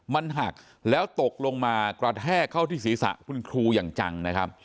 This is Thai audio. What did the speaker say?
มันหักแล้วตกลงมากระแทกเข้าที่ศีรษะคุณครูอย่างจังนะครับ